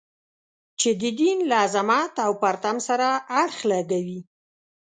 چې د دین له عظمت او پرتم سره اړخ لګوي.